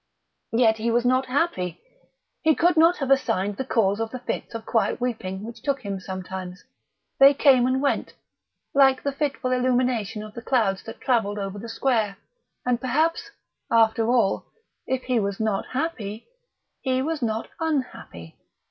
Yet he was not happy. He could not have assigned the cause of the fits of quiet weeping which took him sometimes; they came and went, like the fitful illumination of the clouds that travelled over the square; and perhaps, after all, if he was not happy, he was not unhappy.